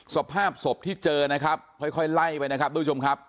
สภาพศพที่เจอนะครับค่อยไล่ไปนะครับทุกผู้ชมครับ